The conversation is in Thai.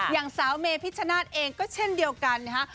อย่างสาวเมพิชชนาธิ์เองก็เช่นเดียวกันนะฮะ